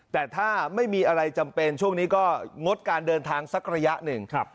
แต่ถ้าไม่มีอะไรจำเป็นช่วงนี้ก็งดการเดินทางสักระยะหนึ่ง